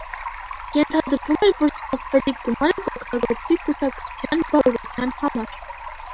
Ենթադրվում էր, որ սպասվելիք գումարը կօգտագործվի կուսակացության «բարօրության համար»։